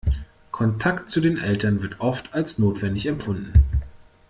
Kontakt zu den Eltern wird oft als notwendig empfunden.